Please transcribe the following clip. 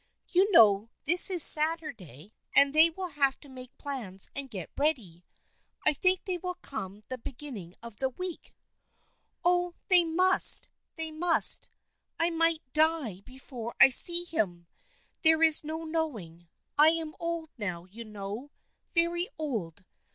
You know this is Saturday, and they will have to make plans and get ready. I think they will come the begin ning of the week." " Oh, they must ! They must ! I might die before I see him. There is no knowing. I am old now, you know. Very old.